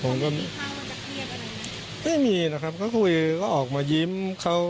ผมก็มีเท่าว่าจะเทียบอะไรไหมไม่มีนะครับเขาคุยก็ออกมายิ้มเขา